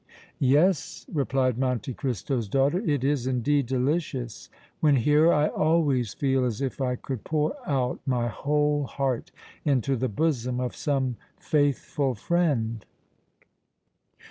"Yes," replied Monte Cristo's daughter, "it is, indeed, delicious. When here, I always feel as if I could pour out my whole heart into the bosom of some faithful friend."